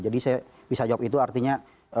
jadi saya bisa jawab itu artinya